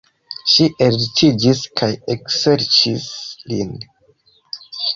Ŝi ellitiĝis kaj ekserĉis lin.